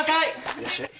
いらっしゃい。